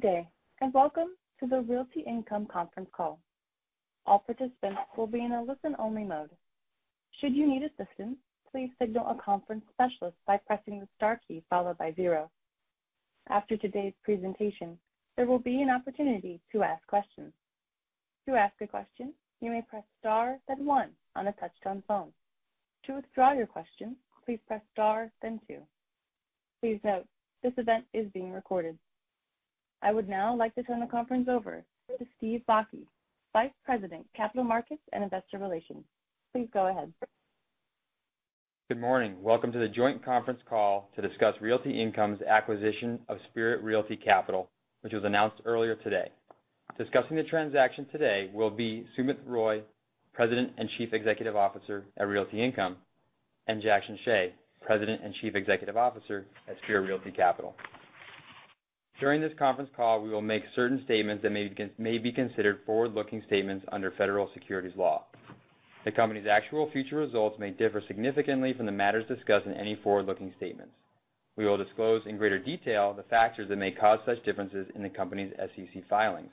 Good day, and welcome to the Realty Income Conference Call. All participants will be in a listen-only mode. Should you need assistance, please signal a conference specialist by pressing the star key followed by zero. After today's presentation, there will be an opportunity to ask questions. To ask a question, you may press Star, then One on a touch-tone phone. To withdraw your question, please press Star, then Two. Please note, this event is being recorded. I would now like to turn the conference over to Steve Bakke, Vice President, Capital Markets and Investor Relations. Please go ahead. Good morning. Welcome to the joint conference call to discuss Realty Income's acquisition of Spirit Realty Capital, which was announced earlier today. Discussing the transaction today will be Sumit Roy, President and Chief Executive Officer at Realty Income, and Jackson Hsieh, President and Chief Executive Officer at Spirit Realty Capital. During this conference call, we will make certain statements that may be considered forward-looking statements under federal securities law. The company's actual future results may differ significantly from the matters discussed in any forward-looking statements. We will disclose in greater detail the factors that may cause such differences in the company's SEC filings.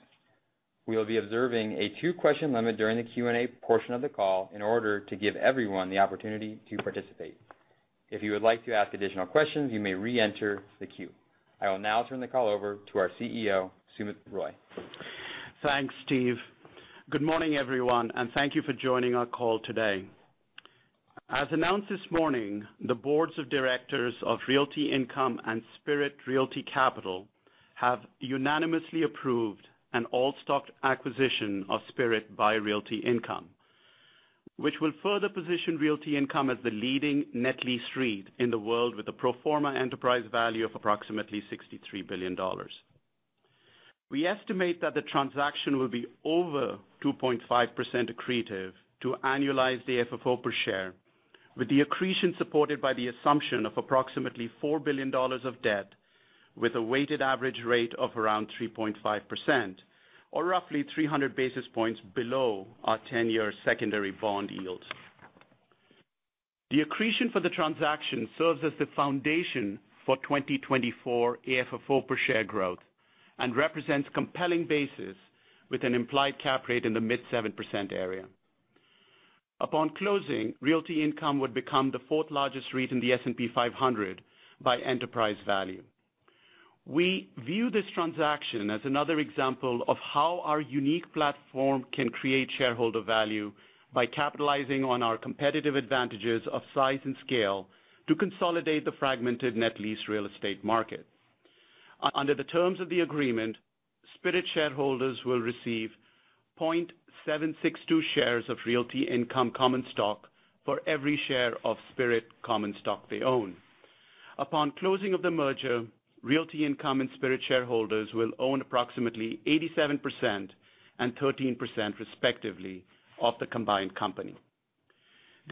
We will be observing a two-question limit during the Q&A portion of the call in order to give everyone the opportunity to participate. If you would like to ask additional questions, you may reenter the queue. I will now turn the call over to our CEO, Sumit Roy. Thanks, Steve. Good morning, everyone, and thank you for joining our call today. As announced this morning, the boards of directors of Realty Income and Spirit Realty Capital have unanimously approved an all-stock acquisition of Spirit by Realty Income, which will further position Realty Income as the leading net lease REIT in the world with a pro forma enterprise value of approximately $63 billion. We estimate that the transaction will be over 2.5% accretive to annualized AFFO per share, with the accretion supported by the assumption of approximately $4 billion of debt, with a weighted average rate of around 3.5%, or roughly 300 basis points below our 10-year secondary bond yields. The accretion for the transaction serves as the foundation for 2024 FFO per share growth and represents compelling basis with an implied cap rate in the mid-7% area. Upon closing, Realty Income would become the fourth largest REIT in the S&P 500 by enterprise value. We view this transaction as another example of how our unique platform can create shareholder value by capitalizing on our competitive advantages of size and scale to consolidate the fragmented net lease real estate market. Under the terms of the agreement, Spirit shareholders will receive 0.762 shares of Realty Income common stock for every share of Spirit common stock they own. Upon closing of the merger, Realty Income and Spirit shareholders will own approximately 87% and 13%, respectively, of the combined company.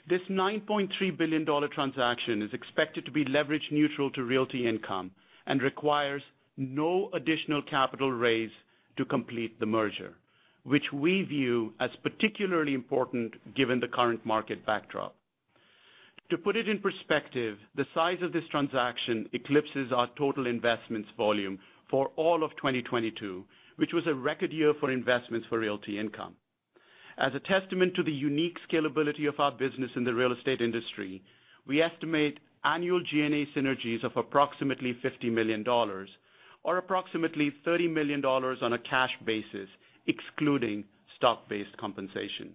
This $9.3 billion transaction is expected to be leverage neutral to Realty Income and requires no additional capital raise to complete the merger, which we view as particularly important given the current market backdrop. To put it in perspective, the size of this transaction eclipses our total investments volume for all of 2022, which was a record year for investments for Realty Income. As a testament to the unique scalability of our business in the real estate industry, we estimate annual G&A synergies of approximately $50 million or approximately $30 million on a cash basis, excluding stock-based compensation.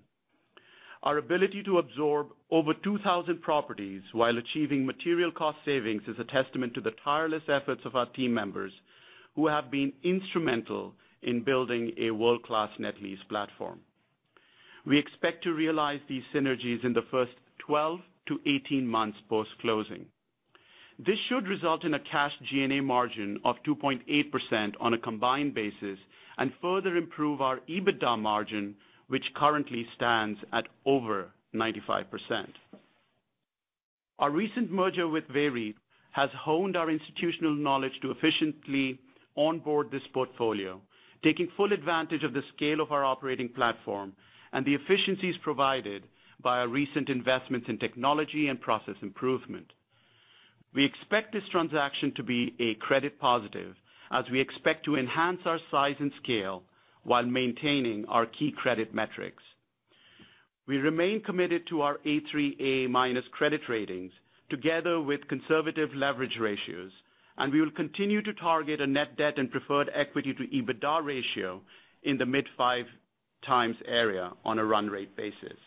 Our ability to absorb over 2,000 properties while achieving material cost savings is a testament to the tireless efforts of our team members, who have been instrumental in building a world-class net lease platform. We expect to realize these synergies in the first 12-18 months post-closing. This should result in a cash G&A margin of 2.8% on a combined basis and further improve our EBITDA margin, which currently stands at over 95%. Our recent merger with VEREIT has honed our institutional knowledge to efficiently onboard this portfolio, taking full advantage of the scale of our operating platform and the efficiencies provided by our recent investments in technology and process improvement. We expect this transaction to be a credit positive, as we expect to enhance our size and scale while maintaining our key credit metrics. We remain committed to our A3/A- credit ratings, together with conservative leverage ratios, and we will continue to target a net debt and preferred equity to EBITDA ratio in the mid-5x area on a run rate basis.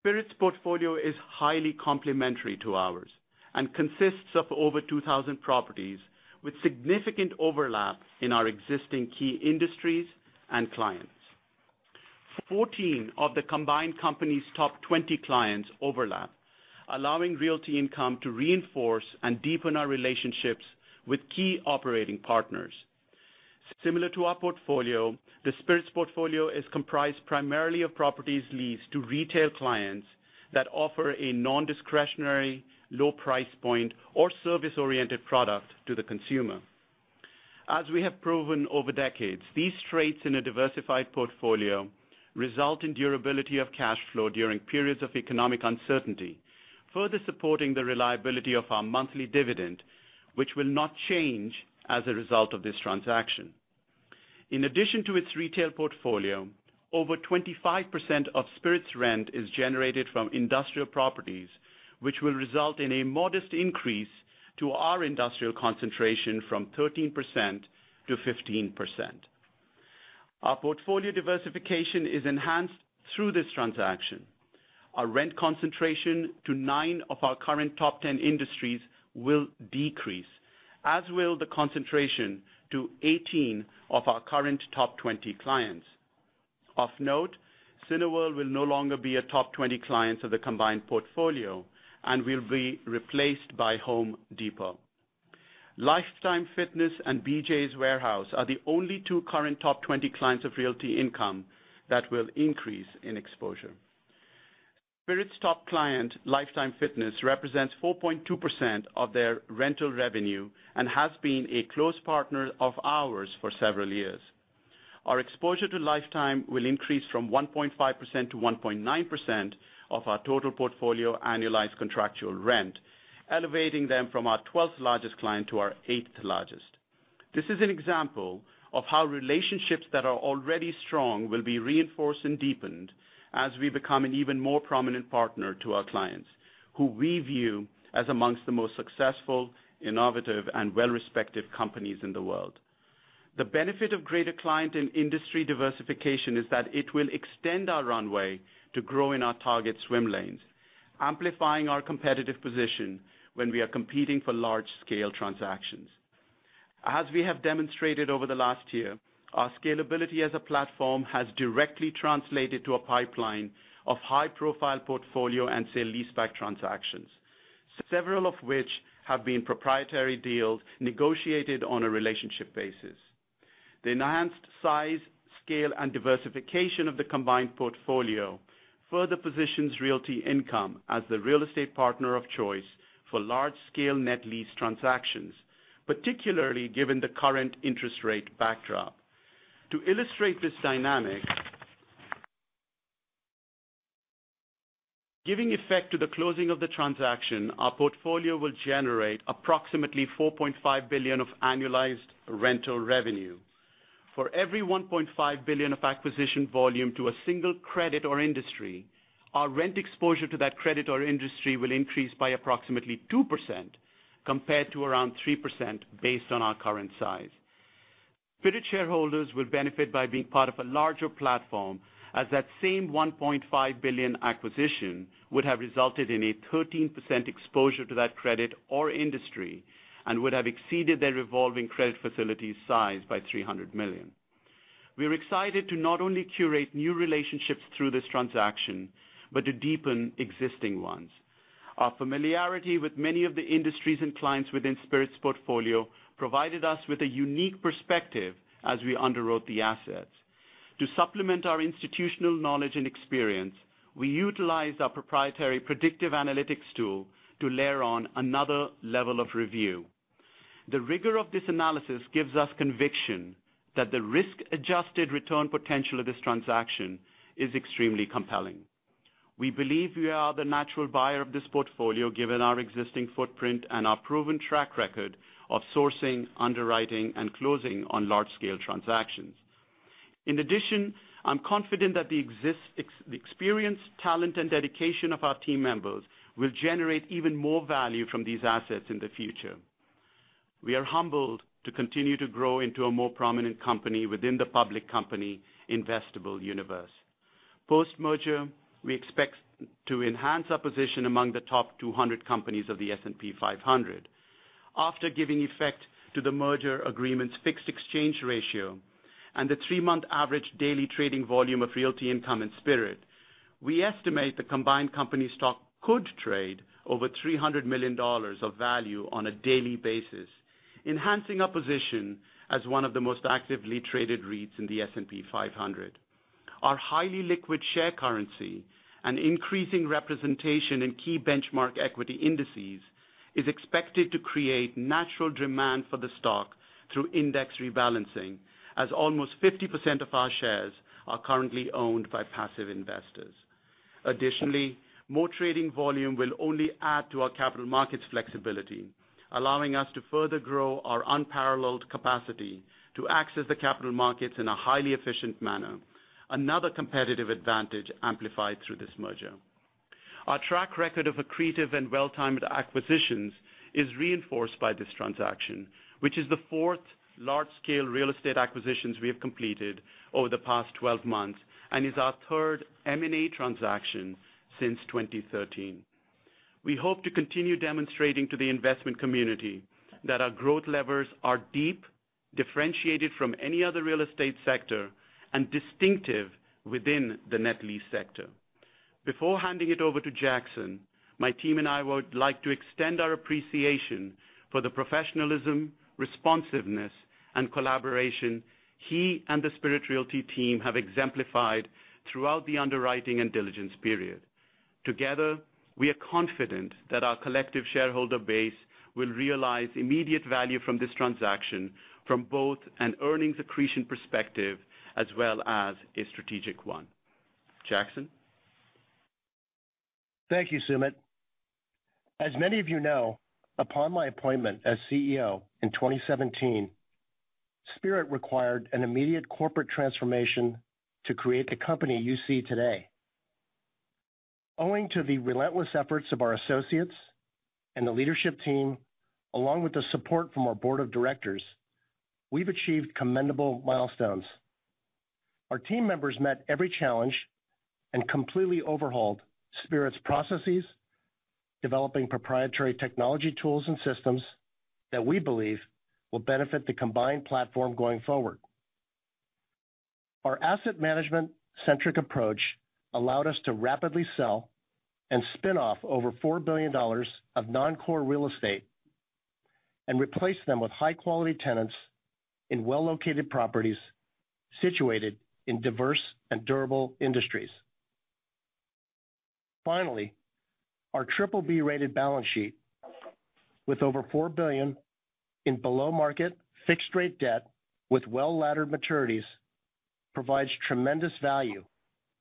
Spirit's portfolio is highly complementary to ours and consists of over 2,000 properties, with significant overlap in our existing key industries and clients. 14 of the combined company's top 20 clients overlap, allowing Realty Income to reinforce and deepen our relationships with key operating partners. Similar to our portfolio, the Spirit's portfolio is comprised primarily of properties leased to retail clients that offer a non-discretionary, low price point or service-oriented product to the consumer. As we have proven over decades, these traits in a diversified portfolio result in durability of cash flow during periods of economic uncertainty, further supporting the reliability of our monthly dividend, which will not change as a result of this transaction. In addition to its retail portfolio, over 25% of Spirit's rent is generated from industrial properties, which will result in a modest increase to our industrial concentration from 13% to 15%. Our portfolio diversification is enhanced through this transaction. Our rent concentration to nine of our current top 10 industries will decrease, as will the concentration to 18 of our current top 20 clients. Of note, Cineworld will no longer be a top 20 client of the combined portfolio, and will be replaced by Home Depot. Life Time Fitness and BJ's Wholesale Club are the only two current top 20 clients of Realty Income that will increase in exposure. Spirit's top client, Life Time Fitness, represents 4.2% of their rental revenue and has been a close partner of ours for several years. Our exposure to Life Time will increase from 1.5% to 1.9% of our total portfolio annualized contractual rent, elevating them from our 12th largest client to our 8th largest. This is an example of how relationships that are already strong will be reinforced and deepened as we become an even more prominent partner to our clients, who we view as amongst the most successful, innovative, and well-respected companies in the world. The benefit of greater client and industry diversification is that it will extend our runway to grow in our target swim lanes, amplifying our competitive position when we are competing for large-scale transactions. As we have demonstrated over the last year, our scalability as a platform has directly translated to a pipeline of high-profile portfolio and sale leaseback transactions, several of which have been proprietary deals negotiated on a relationship basis. The enhanced size, scale, and diversification of the combined portfolio further positions Realty Income as the real estate partner of choice for large-scale net lease transactions, particularly given the current interest rate backdrop. To illustrate this dynamic, giving effect to the closing of the transaction, our portfolio will generate approximately $4.5 billion of annualized rental revenue. For every $1.5 billion of acquisition volume to a single credit or industry, our rent exposure to that credit or industry will increase by approximately 2%, compared to around 3% based on our current size. Spirit shareholders will benefit by being part of a larger platform, as that same $1.5 billion acquisition would have resulted in a 13% exposure to that credit or industry, and would have exceeded their revolving credit facility size by $300 million. We are excited to not only curate new relationships through this transaction, but to deepen existing ones. Our familiarity with many of the industries and clients within Spirit's portfolio provided us with a unique perspective as we underwrote the assets. To supplement our institutional knowledge and experience, we utilized our proprietary predictive analytics tool to layer on another level of review. The rigor of this analysis gives us conviction that the risk-adjusted return potential of this transaction is extremely compelling. We believe we are the natural buyer of this portfolio, given our existing footprint and our proven track record of sourcing, underwriting, and closing on large-scale transactions. In addition, I'm confident that the experience, talent, and dedication of our team members will generate even more value from these assets in the future. We are humbled to continue to grow into a more prominent company within the public company investable universe. Post-merger, we expect to enhance our position among the top 200 companies of the S&P 500. After giving effect to the merger agreement's fixed exchange ratio and the three-month average daily trading volume of Realty Income and Spirit, we estimate the combined company stock could trade over $300 million of value on a daily basis, enhancing our position as one of the most actively traded REITs in the S&P 500. Our highly liquid share currency and increasing representation in key benchmark equity indices is expected to create natural demand for the stock through index rebalancing, as almost 50% of our shares are currently owned by passive investors. Additionally, more trading volume will only add to our capital markets flexibility, allowing us to further grow our unparalleled capacity to access the capital markets in a highly efficient manner, another competitive advantage amplified through this merger. Our track record of accretive and well-timed acquisitions is reinforced by this transaction, which is the fourth large-scale real estate acquisitions we have completed over the past 12 months and is our third M&A transaction since 2013. We hope to continue demonstrating to the investment community that our growth levers are deep, differentiated from any other real estate sector, and distinctive within the net lease sector. Before handing it over to Jackson, my team and I would like to extend our appreciation for the professionalism, responsiveness, and collaboration he and the Spirit Realty team have exemplified throughout the underwriting and diligence period. Together, we are confident that our collective shareholder base will realize immediate value from this transaction from both an earnings accretion perspective as well as a strategic one. Jackson? Thank you, Sumit. As many of you know, upon my appointment as CEO in 2017, Spirit required an immediate corporate transformation to create the company you see today. Owing to the relentless efforts of our associates and the leadership team, along with the support from our board of directors, we've achieved commendable milestones. Our team members met every challenge and completely overhauled Spirit's processes, developing proprietary technology tools and systems that we believe will benefit the combined platform going forward. Our asset management-centric approach allowed us to rapidly sell and spin off over $4 billion of non-core real estate and replace them with high-quality tenants in well-located properties situated in diverse and durable industries. Finally, our BBB-rated balance sheet, with over $4 billion in below-market fixed-rate debt with well-laddered maturities, provides tremendous value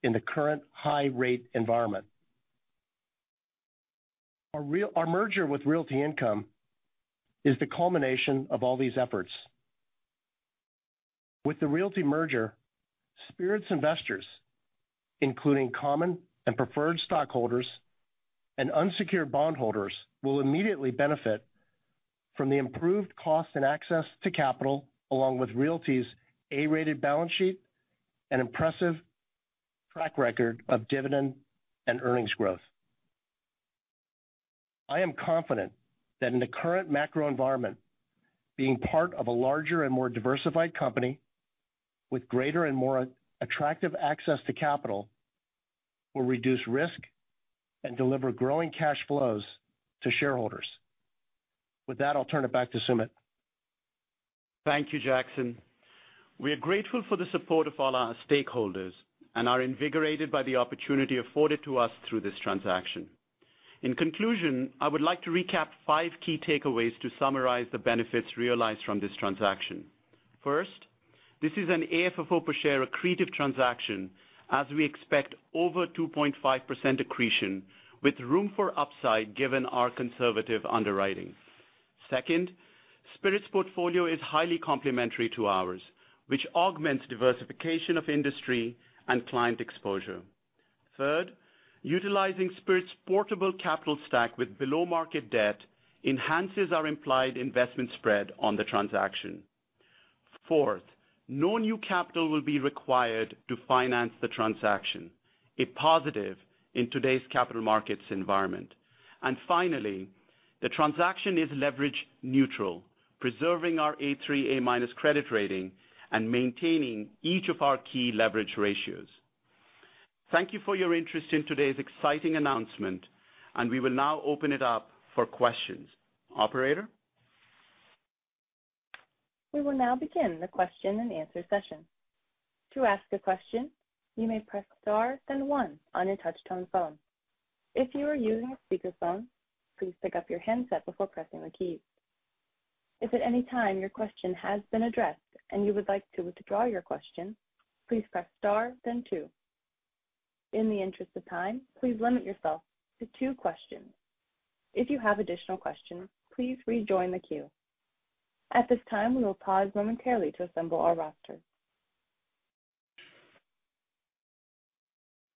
in the current high-rate environment. Our merger with Realty Income is the culmination of all these efforts. With the Realty merger, Spirit's investors, including common and preferred stockholders and unsecured bondholders, will immediately benefit from the improved cost and access to capital, along with Realty's A-rated balance sheet and impressive track record of dividend and earnings growth. I am confident that in the current macro environment, being part of a larger and more diversified company with greater and more attractive access to capital, will reduce risk and deliver growing cash flows to shareholders. With that, I'll turn it back to Sumit. Thank you, Jackson. We are grateful for the support of all our stakeholders and are invigorated by the opportunity afforded to us through this transaction. In conclusion, I would like to recap five key takeaways to summarize the benefits realized from this transaction. First, this is an AFFO per share accretive transaction, as we expect over 2.5% accretion, with room for upside, given our conservative underwriting. Second, Spirit's portfolio is highly complementary to ours, which augments diversification of industry and client exposure. Third, utilizing Spirit's portable capital stack with below-market debt enhances our implied investment spread on the transaction. Fourth, no new capital will be required to finance the transaction, a positive in today's capital markets environment. And finally, the transaction is leverage neutral, preserving our A3/A- credit rating and maintaining each of our key leverage ratios. Thank you for your interest in today's exciting announcement, and we will now open it up for questions. Operator? We will now begin the question-and-answer session. To ask a question, you may press star, then one on your touchtone phone. If you are using a speakerphone, please pick up your handset before pressing the key. If at any time your question has been addressed and you would like to withdraw your question, please press star then two. In the interest of time, please limit yourself to two questions. If you have additional questions, please rejoin the queue. At this time, we will pause momentarily to assemble our roster.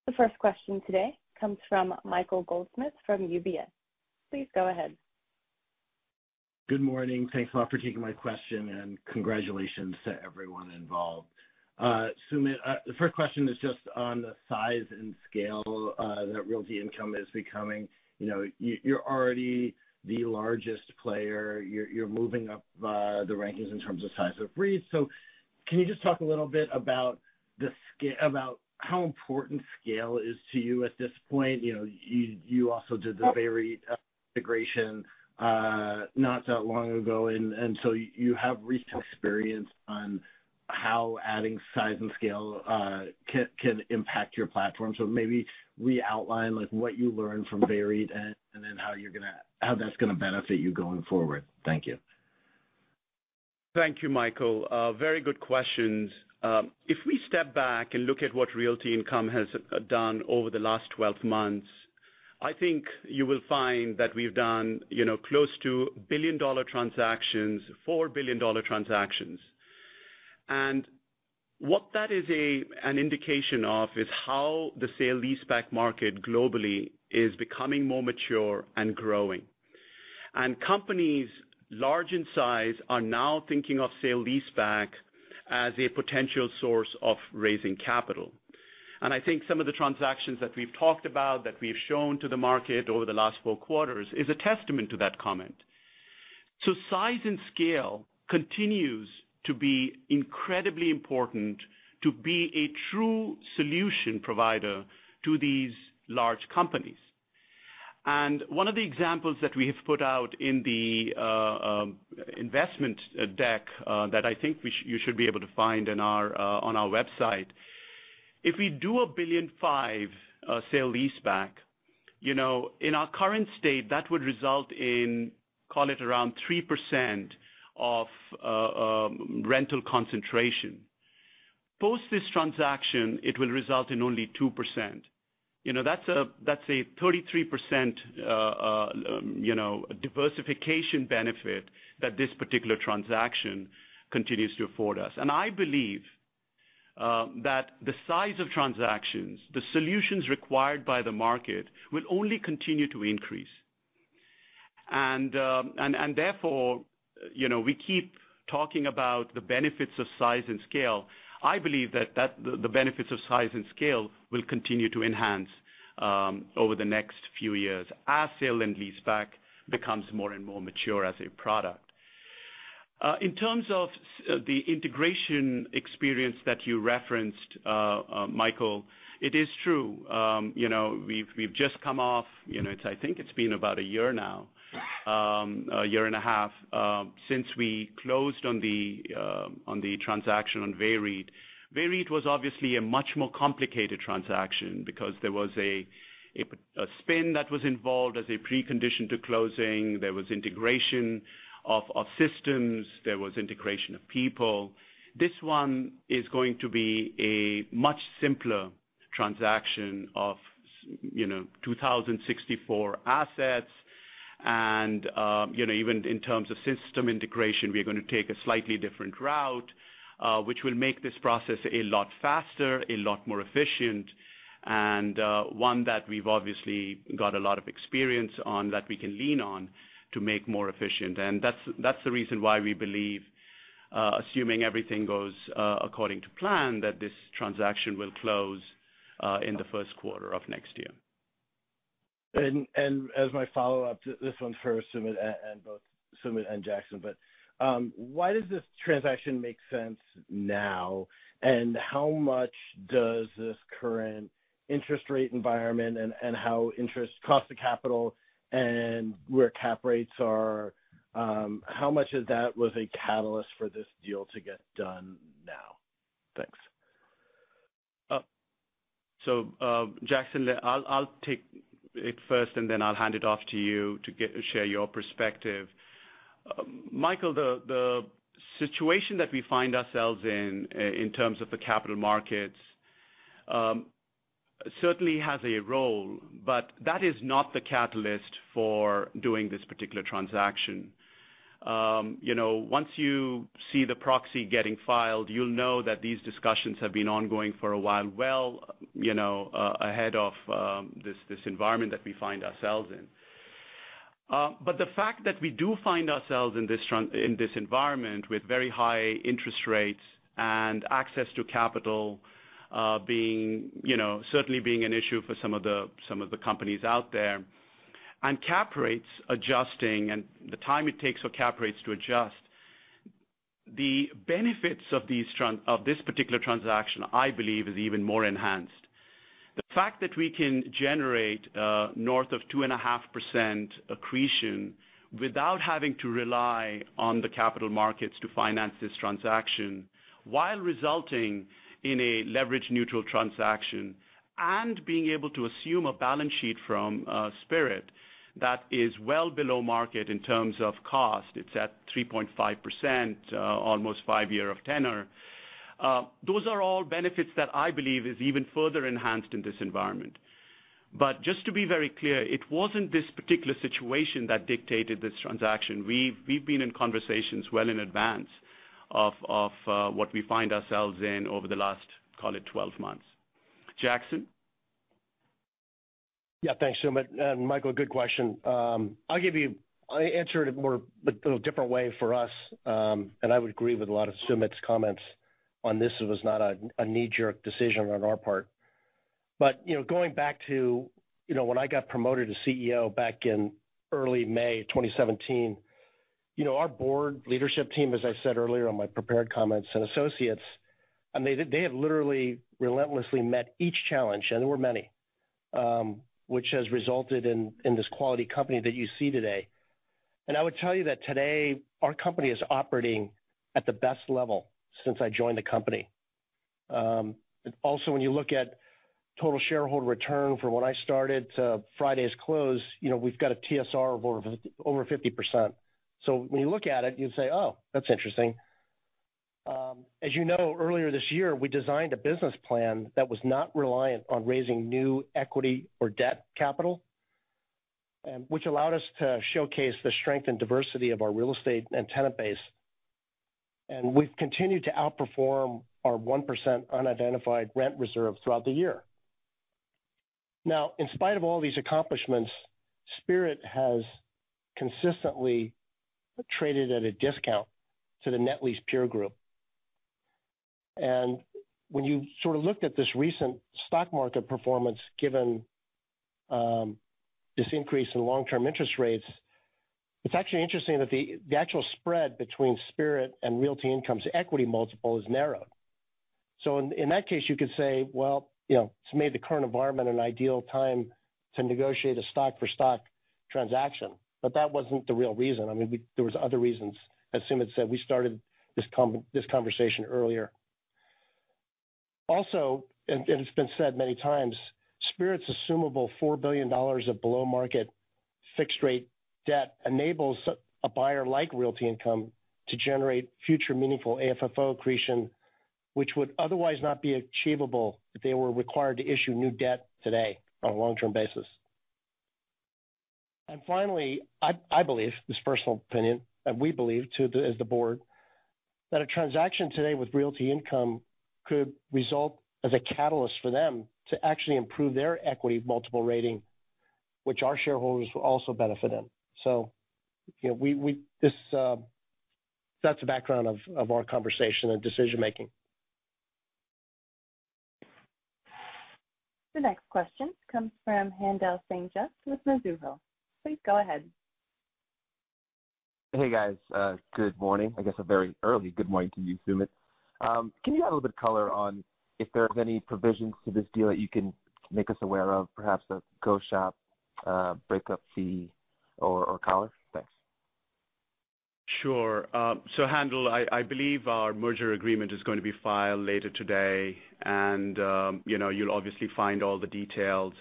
The first question today comes from Michael Goldsmith from UBS. Please go ahead. Good morning. Thanks a lot for taking my question, and congratulations to everyone involved. Sumit, the first question is just on the size and scale that Realty Income is becoming. You know, you, you're already the largest player. You're, you're moving up the rankings in terms of size of REIT. So can you just talk a little bit about the scale, about how important scale is to you at this point? You know, you, you also did the VEREIT integration not that long ago, and, and so you have recent experience on how adding size and scale can, can impact your platform. So maybe re-outline, like, what you learned from VEREIT and, and then how you're gonna, how that's gonna benefit you going forward. Thank you. Thank you, Michael. Very good questions. If we step back and look at what Realty Income has done over the last 12 months, I think you will find that we've done, you know, close to billion-dollar transactions, four billion-dollar transactions. And what that is an indication of is how the sale-leaseback market globally is becoming more mature and growing. And companies large in size are now thinking of sale-leaseback as a potential source of raising capital. And I think some of the transactions that we've talked about, that we've shown to the market over the last four quarters, is a testament to that comment. So size and scale continues to be incredibly important to be a true solution provider to these large companies. One of the examples that we have put out in the investment deck that I think you should be able to find on our website. If we do $1.5 billion sale-leaseback, you know, in our current state, that would result in, call it around 3% of rental concentration. Post this transaction, it will result in only 2%. You know, that's a 33% diversification benefit that this particular transaction continues to afford us. And I believe that the size of transactions, the solutions required by the market, will only continue to increase. And therefore, you know, we keep talking about the benefits of size and scale. I believe that the benefits of size and scale will continue to enhance over the next few years as sale-leaseback becomes more and more mature as a product. In terms of the integration experience that you referenced, Michael, it is true. You know, we've just come off, you know, I think it's been about a year now, a year and a half, since we closed on the transaction on VEREIT. VEREIT was obviously a much more complicated transaction because there was a spin that was involved as a precondition to closing, there was integration of systems, there was integration of people. This one is going to be a much simpler transaction of you know, 2,064 assets. You know, even in terms of system integration, we're gonna take a slightly different route, which will make this process a lot faster, a lot more efficient, and one that we've obviously got a lot of experience on that we can lean on to make more efficient. That's the reason why we believe, assuming everything goes according to plan, that this transaction will close in the first quarter of next year. As my follow-up, this one's for Sumit and both Sumit and Jackson. But why does this transaction make sense now? And how much does this current interest rate environment and how interest cost of capital and where cap rates are, how much of that was a catalyst for this deal to get done now? Thanks. Jackson, I'll take it first, and then I'll hand it off to you to get to share your perspective. Michael, the situation that we find ourselves in, in terms of the capital markets, certainly has a role, but that is not the catalyst for doing this particular transaction. You know, once you see the proxy getting filed, you'll know that these discussions have been ongoing for a while, well, you know, ahead of this environment that we find ourselves in. But the fact that we do find ourselves in this environment with very high interest rates and access to capital, being, you know, certainly an issue for some of the companies out there, and cap rates adjusting, and the time it takes for cap rates to adjust, the benefits of this particular transaction, I believe, is even more enhanced. The fact that we can generate north of 2.5% accretion without having to rely on the capital markets to finance this transaction, while resulting in a leverage-neutral transaction, and being able to assume a balance sheet from Spirit that is well below market in terms of cost, it's at 3.5%, almost five-year tenor. Those are all benefits that I believe is even further enhanced in this environment. But just to be very clear, it wasn't this particular situation that dictated this transaction. We've been in conversations well in advance of what we find ourselves in over the last, call it, 12 months. Jackson? Yeah, thanks, Sumit, and Michael, good question. I'll give you—I answer it more, but a little different way for us, and I would agree with a lot of Sumit's comments on this. It was not a knee-jerk decision on our part. You know, going back to, you know, when I got promoted to CEO back in early May 2017, you know, our board leadership team, as I said earlier on my prepared comments and associates, and they have literally relentlessly met each challenge, and there were many, which has resulted in this quality company that you see today. I would tell you that today, our company is operating at the best level since I joined the company. But also, when you look at total shareholder return from when I started to Friday's close, you know, we've got a TSR of over 50%. So when you look at it, you'd say, "Oh, that's interesting." As you know, earlier this year, we designed a business plan that was not reliant on raising new equity or debt capital, and which allowed us to showcase the strength and diversity of our real estate and tenant base. And we've continued to outperform our 1% unidentified rent reserve throughout the year. Now, in spite of all these accomplishments, Spirit has consistently traded at a discount to the net lease peer group. And when you sort of looked at this recent stock market performance, given this increase in long-term interest rates, it's actually interesting that the actual spread between Spirit and Realty Income's equity multiple has narrowed. So in that case, you could say, well, you know, this made the current environment an ideal time to negotiate a stock-for-stock transaction. But that wasn't the real reason. I mean, there was other reasons. As Sumit said, we started this conversation earlier. Also, and it's been said many times, Spirit's assumable $4 billion of below-market fixed-rate debt enables a buyer like Realty Income to generate future meaningful AFFO accretion, which would otherwise not be achievable if they were required to issue new debt today on a long-term basis. And finally, I believe, this is personal opinion, and we believe, too, as the board, that a transaction today with Realty Income could result as a catalyst for them to actually improve their equity multiple rating, which our shareholders will also benefit in. So, you know, that's the background of our conversation and decision making. The next question comes from Haendel St. Juste with Mizuho. Please go ahead. Hey, guys, good morning. I guess a very early good morning to you, Sumit. Can you add a little bit of color on if there are any provisions to this deal that you can make us aware of, perhaps a go shop, breakup fee or collar? Thanks. Sure. So Haendel, I believe our merger agreement is going to be filed later today, and, you know, you'll obviously find all the details.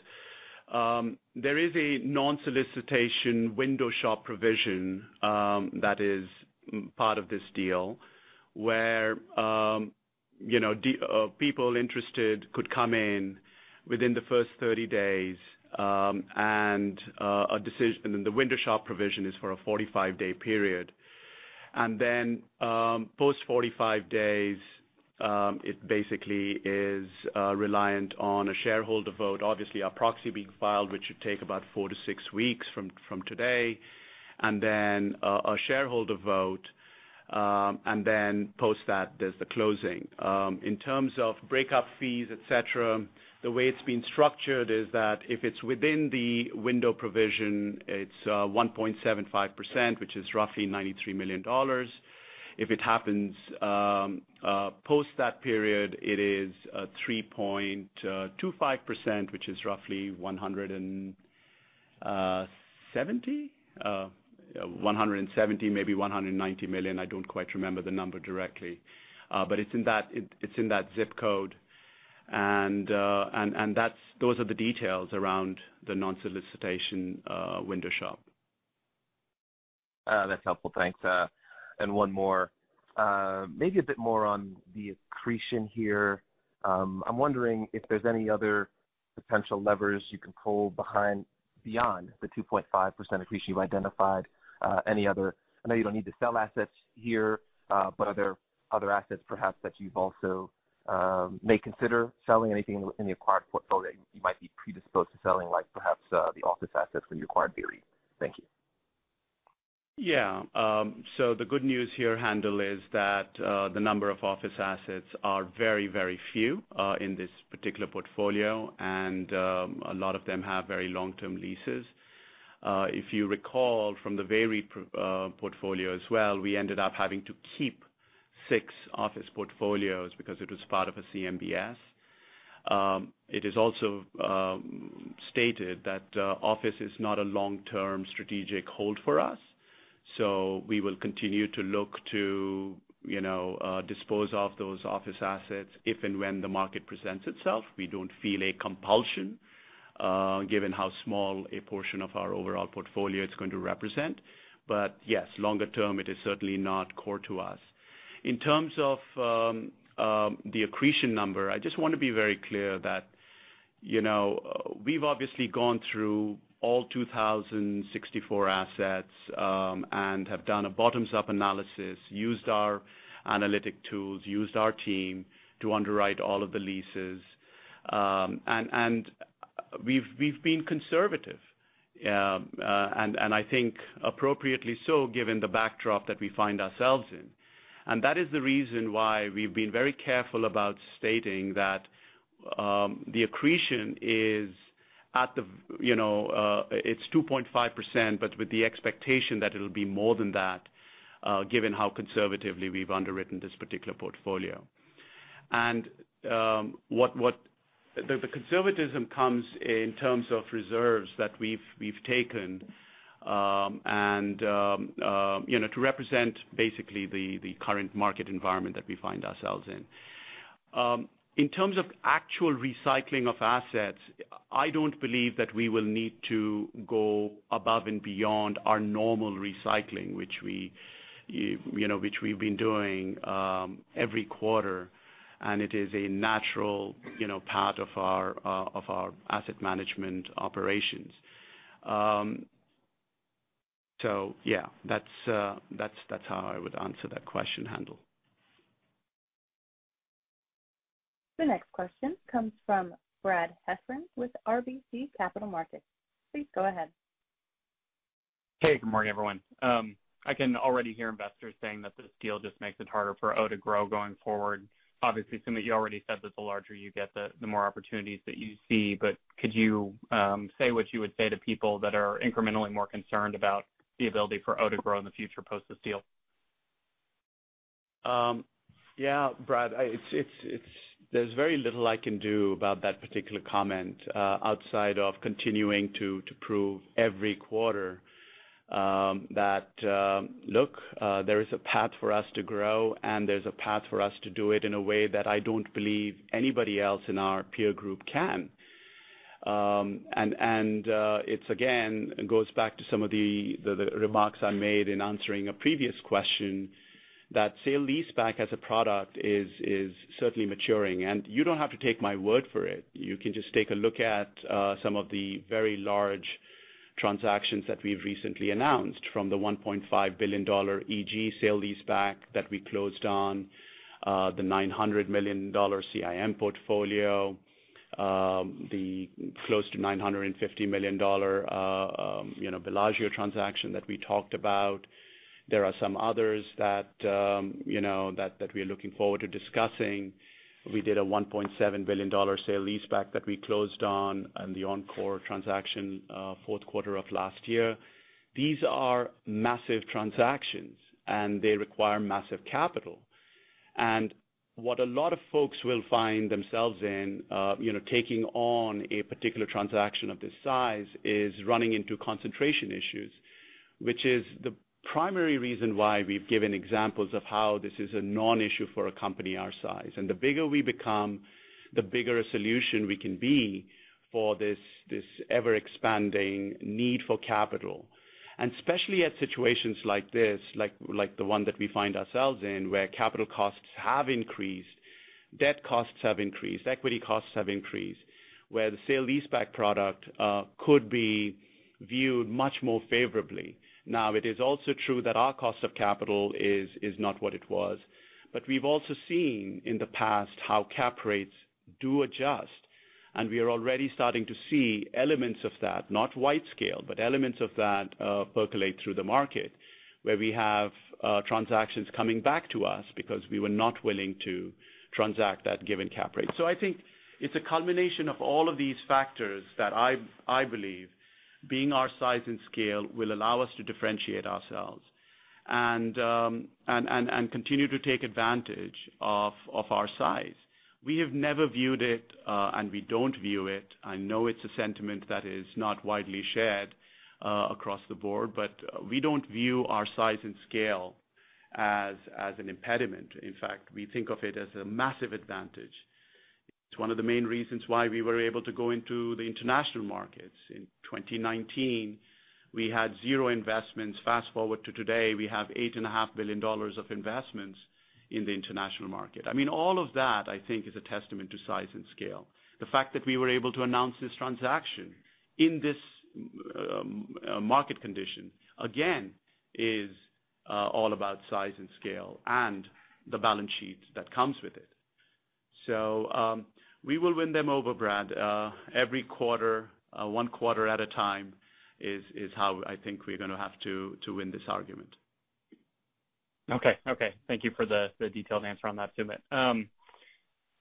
There is a non-solicitation window shop provision, that is part of this deal, where, you know, people interested could come in within the first 30 days, and, a decision. And then the window shop provision is for a 45-day period. And then, post 45 days, it basically is, reliant on a shareholder vote. Obviously, our proxy being filed, which should take about four to six weeks from today, and then, a shareholder vote, and then post that, there's the closing. In terms of breakup fees, et cetera, the way it's been structured is that if it's within the window provision, it's 1.75%, which is roughly $93 million. If it happens post that period, it is 3.25%, which is roughly $170 million? $170 million, maybe $190 million. I don't quite remember the number directly. But it's in that, it's in that zip code. And that's, those are the details around the non-solicitation window shop. That's helpful. Thanks. And one more. Maybe a bit more on the accretion here. I'm wondering if there's any other potential levers you can pull behind—beyond the 2.5% accretion you've identified, any other... I know you don't need to sell assets here, but are there other assets, perhaps, that you've also, may consider selling anything in the, in the acquired portfolio you might be predisposed to selling, like perhaps, the office assets when you acquired VEREIT? Thank you. Yeah. So the good news here, Haendel, is that the number of office assets are very, very few in this particular portfolio, and a lot of them have very long-term leases. If you recall from the VEREIT portfolio as well, we ended up having to keep six office portfolios because it was part of a CMBS. It is also stated that office is not a long-term strategic hold for us, so we will continue to look to, you know, dispose of those office assets if and when the market presents itself. We don't feel a compulsion given how small a portion of our overall portfolio it's going to represent. But yes, longer term, it is certainly not core to us. In terms of the accretion number, I just want to be very clear that, you know, we've obviously gone through all 2,064 assets, and have done a bottoms-up analysis, used our analytic tools, used our team to underwrite all of the leases. And we've been conservative, and I think appropriately so, given the backdrop that we find ourselves in. And that is the reason why we've been very careful about stating that, the accretion is at the, you know, it's 2.5%, but with the expectation that it'll be more than that, given how conservatively we've underwritten this particular portfolio. And, the conservatism comes in terms of reserves that we've taken, and, you know, to represent basically the current market environment that we find ourselves in. In terms of actual recycling of assets, I don't believe that we will need to go above and beyond our normal recycling, which we, you know, which we've been doing every quarter, and it is a natural, you know, part of our asset management operations. So yeah, that's how I would answer that question, Haendel. The next question comes from Brad Heffern with RBC Capital Markets. Please go ahead. Hey, good morning, everyone. I can already hear investors saying that this deal just makes it harder for O to grow going forward. Obviously, Sumit, you already said that the larger you get, the more opportunities that you see. But could you say what you would say to people that are incrementally more concerned about the ability for O to grow in the future post this deal?... Yeah, Brad, it's—there's very little I can do about that particular comment outside of continuing to prove every quarter that look, there is a path for us to grow, and there's a path for us to do it in a way that I don't believe anybody else in our peer group can. And it's again, it goes back to some of the remarks I made in answering a previous question, that sale-leaseback as a product is certainly maturing. And you don't have to take my word for it. You can just take a look at some of the very large transactions that we've recently announced, from the $1.5 billion EG sale-leaseback that we closed on, the $900 million CIM portfolio, the close to $950 million, you know, Bellagio transaction that we talked about. There are some others that, you know, that, that we are looking forward to discussing. We did a $1.7 billion sale-leaseback that we closed on, and the Encore transaction, fourth quarter of last year. These are massive transactions, and they require massive capital. What a lot of folks will find themselves in, you know, taking on a particular transaction of this size, is running into concentration issues, which is the primary reason why we've given examples of how this is a non-issue for a company our size. The bigger we become, the bigger a solution we can be for this, this ever-expanding need for capital. Especially at situations like this, like, like the one that we find ourselves in, where capital costs have increased, debt costs have increased, equity costs have increased, where the sale-leaseback product could be viewed much more favorably. Now, it is also true that our cost of capital is, is not what it was. But we've also seen in the past how cap rates do adjust, and we are already starting to see elements of that, not wide scale, but elements of that, percolate through the market, where we have transactions coming back to us because we were not willing to transact that given cap rate. So I think it's a culmination of all of these factors that I believe, being our size and scale, will allow us to differentiate ourselves and continue to take advantage of our size. We have never viewed it, and we don't view it. I know it's a sentiment that is not widely shared across the board, but we don't view our size and scale as an impediment. In fact, we think of it as a massive advantage. It's one of the main reasons why we were able to go into the international markets. In 2019, we had zero investments. Fast forward to today, we have $8.5 billion of investments in the international market. I mean, all of that, I think, is a testament to size and scale. The fact that we were able to announce this transaction in this market condition, again, is all about size and scale and the balance sheets that comes with it. So, we will win them over, Brad. Every quarter, one quarter at a time is how I think we're gonna have to to win this argument. Okay. Okay, thank you for the, the detailed answer on that, Sumit.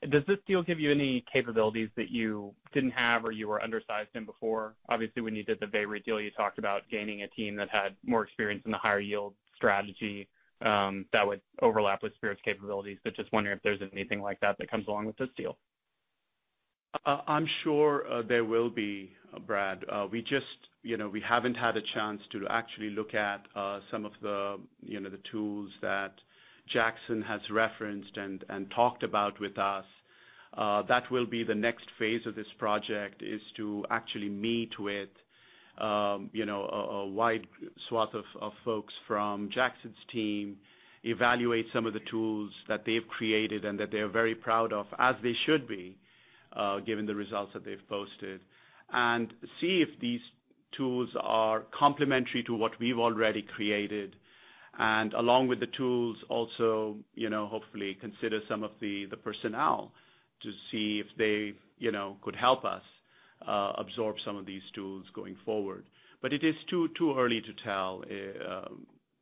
Does this deal give you any capabilities that you didn't have or you were undersized in before? Obviously, when you did the VEREIT deal, you talked about gaining a team that had more experience in the higher yield strategy, that would overlap with Spirit's capabilities. But just wondering if there's anything like that that comes along with this deal. I'm sure, there will be, Brad. We just, you know, we haven't had a chance to actually look at, some of the, you know, the tools that Jackson has referenced and, and talked about with us. That will be the next phase of this project, is to actually meet with, you know, a wide swath of folks from Jackson's team, evaluate some of the tools that they've created and that they are very proud of, as they should be, given the results that they've posted. And see if these tools are complementary to what we've already created, and along with the tools, also, you know, hopefully consider some of the personnel to see if they, you know, could help us, absorb some of these tools going forward. But it is too early to tell,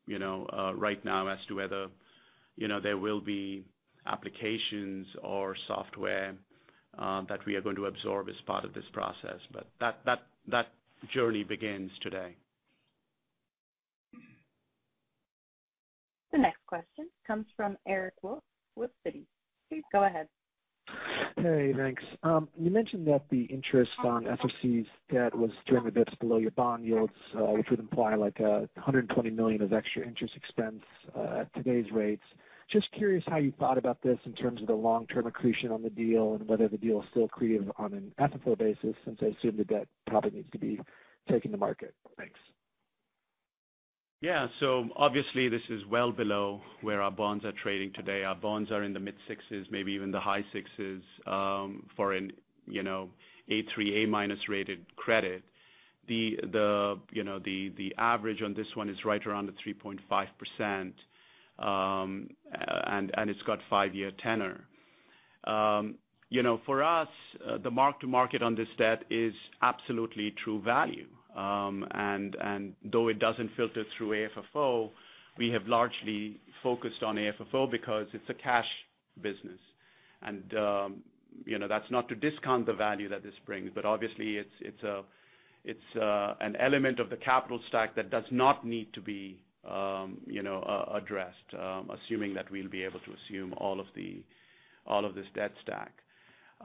you know, right now as to whether, you know, there will be applications or software that we are going to absorb as part of this process. But that journey begins today. The next question comes from Eric Wolfe with Citi. Please go ahead. Hey, thanks. You mentioned that the interest on SRC's debt was generally just below your bond yields, which would imply like, $120 million of extra interest expense, at today's rates. Just curious how you thought about this in terms of the long-term accretion on the deal and whether the deal is still accretive on an FFO basis, since I assume the debt probably needs to be taking the market. Thanks. Yeah. So obviously, this is well below where our bonds are trading today. Our bonds are in the mid-6s, maybe even the high 6s, for an, you know, A3, A minus rated credit. You know, the average on this one is right around the 3.5%, and it's got five-year tenor. You know, for us, the mark to market on this debt is absolutely true value. And though it doesn't filter through AFFO, we have largely focused on AFFO because it's a cash business.... You know, that's not to discount the value that this brings, but obviously it's an element of the capital stack that does not need to be, you know, addressed, assuming that we'll be able to assume all of this debt stack.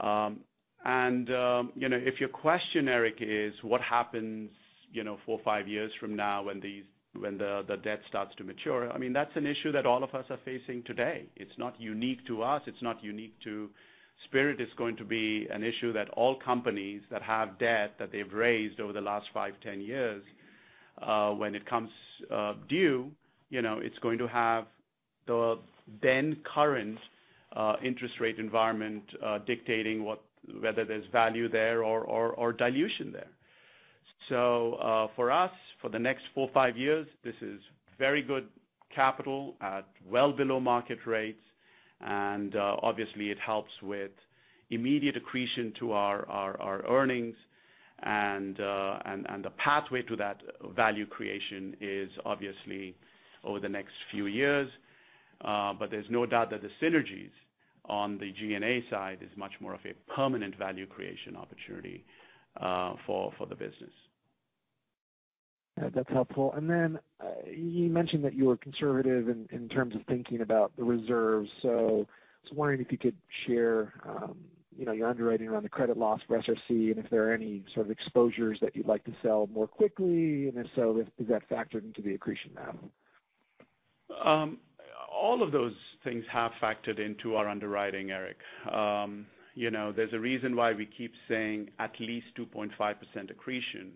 You know, if your question, Eric, is what happens, you know, four, five years from now when the debt starts to mature? I mean, that's an issue that all of us are facing today. It's not unique to us. It's not unique to Spirit. It's going to be an issue that all companies that have debt that they've raised over the last five, 10 years, when it comes due, you know, it's going to have the then current interest rate environment dictating whether there's value there or, or, or dilution there. So, for us, for the next four, five years, this is very good capital at well below market rates, and obviously, it helps with immediate accretion to our earnings. And the pathway to that value creation is obviously over the next few years. But there's no doubt that the synergies on the G&A side is much more of a permanent value creation opportunity for the business. Yeah, that's helpful. And then, you mentioned that you were conservative in terms of thinking about the reserves, so I was wondering if you could share, you know, your underwriting around the credit loss for SRC, and if there are any sort of exposures that you'd like to sell more quickly, and if so, is that factored into the accretion now? All of those things have factored into our underwriting, Eric. You know, there's a reason why we keep saying at least 2.5% accretion.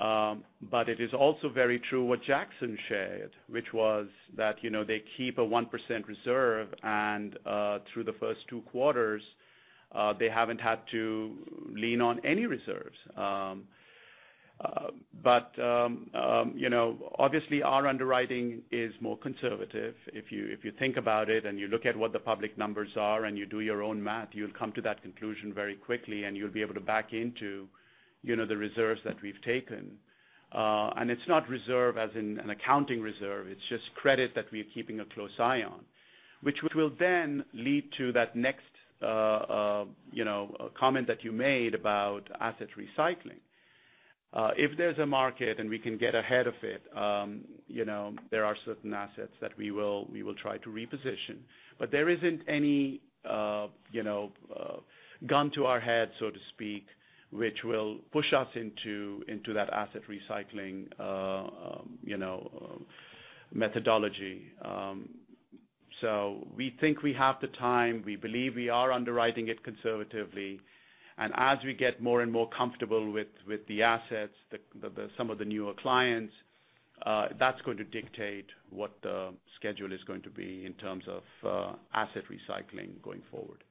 But it is also very true what Jackson shared, which was that, you know, they keep a 1% reserve, and through the first two quarters, they haven't had to lean on any reserves. But you know, obviously, our underwriting is more conservative. If you think about it, and you look at what the public numbers are, and you do your own math, you'll come to that conclusion very quickly, and you'll be able to back into, you know, the reserves that we've taken. It's not reserve as in an accounting reserve, it's just credit that we're keeping a close eye on, which will then lead to that next, you know, comment that you made about asset recycling. If there's a market, and we can get ahead of it, you know, there are certain assets that we will, we will try to reposition. There isn't any, you know, gun to our head, so to speak, which will push us into that asset recycling, you know, methodology. We think we have the time. We believe we are underwriting it conservatively, and as we get more and more comfortable with the assets, some of the newer clients, that's going to dictate what the schedule is going to be in terms of asset recycling going forward.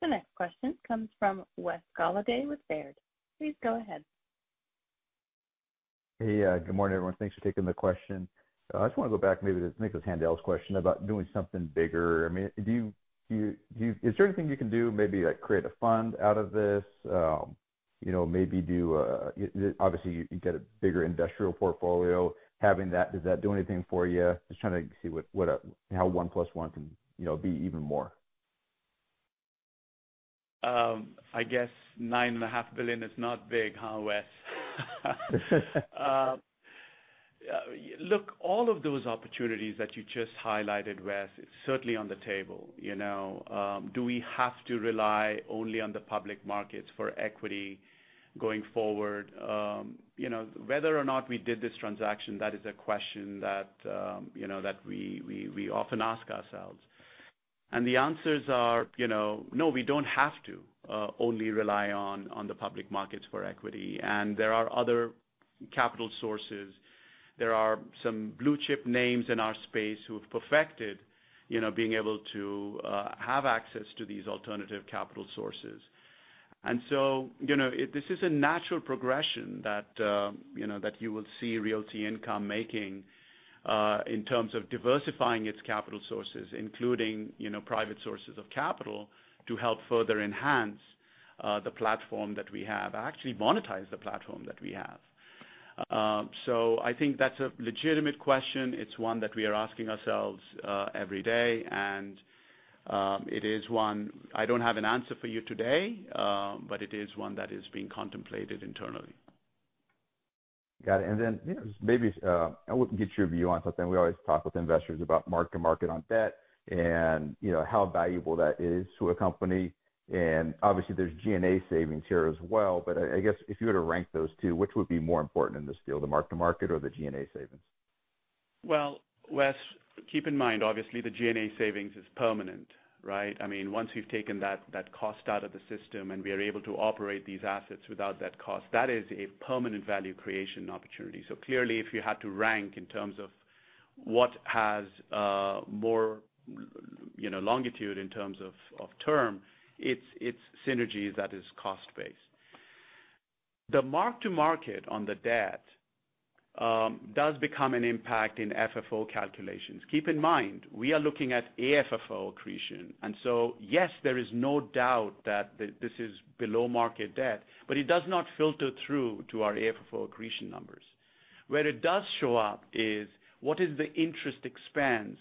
The next question comes from Wes Golladay with Baird. Please go ahead. Hey, good morning, everyone. Thanks for taking the question. I just want to go back maybe to Nicholas Haendel's question about doing something bigger. I mean, do you, do you... Is there anything you can do, maybe, like, create a fund out of this? You know, maybe do, obviously, you get a bigger industrial portfolio. Having that, does that do anything for you? Just trying to see what, what a- how one plus one can, you know, be even more. I guess $9.5 billion is not big, huh, Wes? Look, all of those opportunities that you just highlighted, Wes, it's certainly on the table. You know, do we have to rely only on the public markets for equity going forward? You know, whether or not we did this transaction, that is a question that, you know, that we often ask ourselves. And the answers are, you know, no, we don't have to only rely on the public markets for equity, and there are other capital sources. There are some blue chip names in our space who have perfected, you know, being able to have access to these alternative capital sources. So, you know, this is a natural progression that, you know, that you will see Realty Income making, in terms of diversifying its capital sources, including, you know, private sources of capital, to help further enhance the platform that we have, actually monetize the platform that we have. So I think that's a legitimate question. It's one that we are asking ourselves every day, and it is one I don't have an answer for you today, but it is one that is being contemplated internally. Got it. And then, you know, maybe, I want to get your view on something. We always talk with investors about mark to market on debt and, you know, how valuable that is to a company. And obviously, there's G&A savings here as well, but I, I guess if you were to rank those two, which would be more important in this deal, the mark to market or the G&A savings? Well, Wes, keep in mind, obviously, the G&A savings is permanent, right? I mean, once you've taken that, that cost out of the system, and we are able to operate these assets without that cost, that is a permanent value creation opportunity. So clearly, if you had to rank in terms of what has more, you know, longevity in terms of term, it's synergy that is cost-based. The mark to market on the debt does become an impact in FFO calculations. Keep in mind, we are looking at AFFO accretion, and so, yes, there is no doubt that this is below market debt, but it does not filter through to our AFFO accretion numbers. Where it does show up is, what is the interest expense,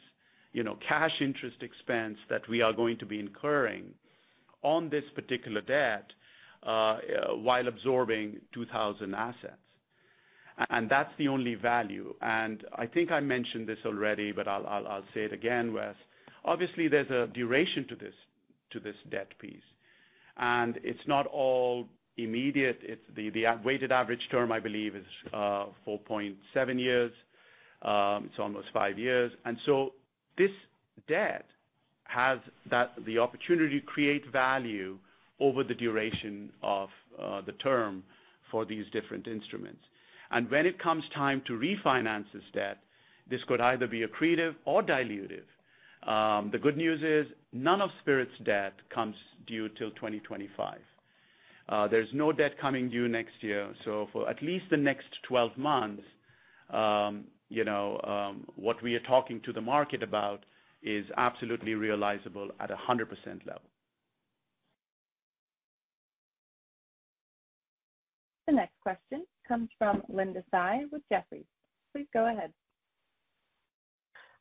you know, cash interest expense that we are going to be incurring on this particular debt, you know, while absorbing 2,000 assets? That's the only value. I think I mentioned this already, but I'll say it again, Wes. Obviously, there's a duration to this, to this debt piece, and it's not all immediate. It's the weighted average term, I believe, is 4.7 years. It's almost five years. This debt has the opportunity to create value over the duration of the term for these different instruments. When it comes time to refinance this debt, this could either be accretive or dilutive. The good news is, none of Spirit's debt comes due till 2025. There's no debt coming due next year, so for at least the next 12 months, you know, what we are talking to the market about is absolutely realizable at a 100% level. The next question comes from Linda Tsai with Jefferies. Please go ahead.